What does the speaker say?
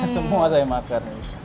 semua saya makan